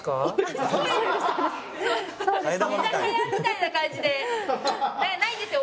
居酒屋みたいな感じでないんですよ